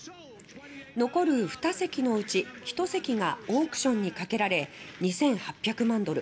残る２席のうち１席がオークションにかけられ２８００万ドル